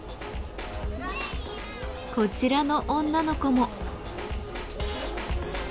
こちらの女の子も。